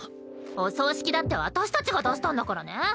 お葬式だって私たちが出したんだからね。